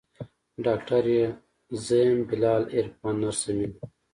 ډاکتر يې زه يم بلال عرفان نرسه مينه.